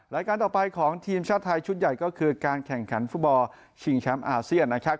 รายการต่อไปของทีมชาติไทยชุดใหญ่ก็คือการแข่งขันฟุตบอลชิงแชมป์อาเซียนนะครับ